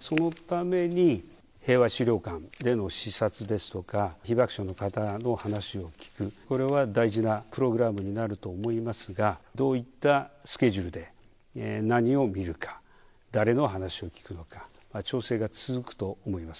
そのために平和資料館での視察ですとか、被爆者の方の話を聞く、これは大事なプログラムになると思いますが、どういったスケジュールで何を見るか、誰の話を聞くのか、調整が続くと思います。